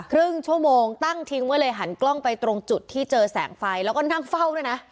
ครึ่งชั่วโมงตั้งทิ้งไว้เลยหันกล้องไปตรงจุดที่เจอแสงไฟแล้วก็นั่งเฝ้าด้วยนะ